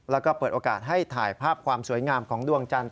แล้วก็เปิดโอกาสให้ถ่ายภาพความสวยงามของดวงจันทร์